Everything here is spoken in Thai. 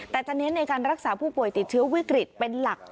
แต่จะเน้นในการรักษาผู้ป่วยติดเชื้อวิกฤตเป็นหลัก